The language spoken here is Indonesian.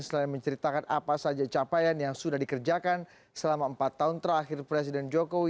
selain menceritakan apa saja capaian yang sudah dikerjakan selama empat tahun terakhir presiden jokowi